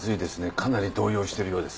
かなり動揺しているようです。